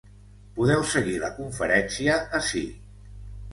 Podeu seguir la conferència ací.